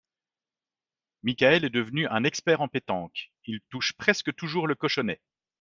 Michaël est devenu un expert en pétanque, il touche presque toujours le cochonnet.